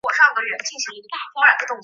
拉斯穆森是丹麦第九常见的姓氏。